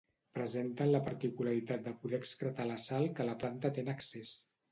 Presenten la particularitat de poder excretar la sal que la planta té en excés.